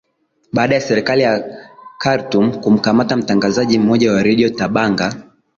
baada ya serikali ya khartum kumkamata mtangazaji mmoja wa redio tabanga